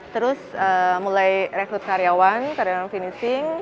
terus mulai rekrut karyawan karyawan finishing